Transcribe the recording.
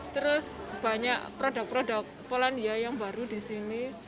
terus banyak produk produk polandia yang baru di sini